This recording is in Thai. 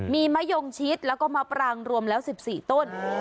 มีมะยงชิดแล้วก็มะปรางรวมแล้ว๑๔ต้น